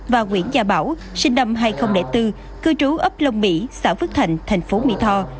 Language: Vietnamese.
và nguyễn gia bảo sinh năm hai nghìn bốn cư trú ấp lông mỹ xã phước thành thành phố mỹ tho